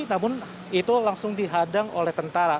namun itu langsung dihadang oleh tentara